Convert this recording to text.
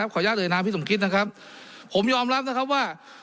อนุญาตเอ่ยนามพี่สมคิดนะครับผมยอมรับนะครับว่า